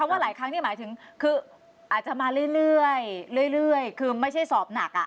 ว่าหลายครั้งนี่หมายถึงคืออาจจะมาเรื่อยคือไม่ใช่สอบหนัก